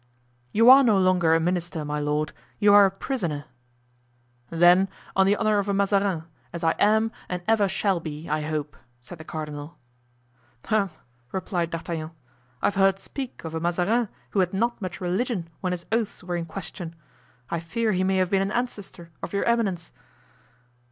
"You are no longer a minister, my lord; you are a prisoner." "Then, on the honor of a Mazarin, as I am and ever shall be, I hope," said the cardinal. "Hem," replied D'Artagnan. "I have heard speak of a Mazarin who had not much religion when his oaths were in question. I fear he may have been an ancestor of your eminence."